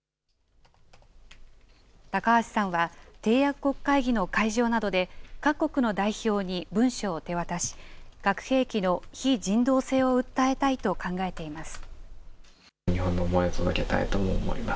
高橋さんは締約国会議の会場などで、各国の代表に文書を手渡し、核兵器の非人道性を訴えたいと考えています。